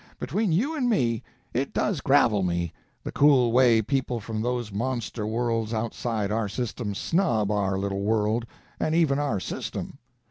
Between you and me, it does gravel me, the cool way people from those monster worlds outside our system snub our little world, and even our system.